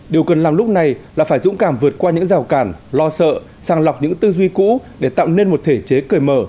điều cần làm lúc này là phải dũng cảm vượt qua những rào cản lo sợ sàng lọc những tư duy cũ để tạo nên một thể chế cởi mở